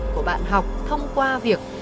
của bạn học thông qua việc